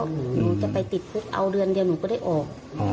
หนูจะไปติดคุกเอาเดือนเดียวหนูก็ได้ออก